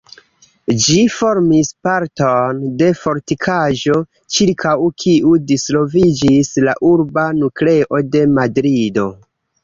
Ĝi formis parton de fortikaĵo, ĉirkaŭ kiu disvolviĝis la urba nukleo de Madrido.